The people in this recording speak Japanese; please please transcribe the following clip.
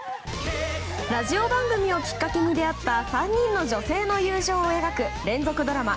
ラジオ番組をきっかけに出会った３人の女性の友情を描く連続ドラマ